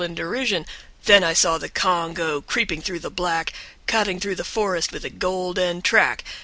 # THEN I SAW THE CONGO, CREEPING THROUGH THE BLACK, CUTTING THROUGH THE FOREST WITH A GOLDEN TRACK.